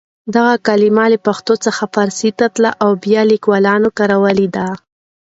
دغه کلمه له پښتو څخه پارسي ته تللې او بیا لیکوالانو کارولې ده.